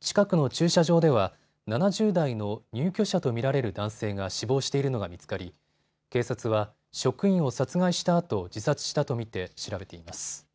近くの駐車場では７０代の入居者と見られる男性が死亡しているのが見つかり警察は職員を殺害したあと自殺したと見て調べています。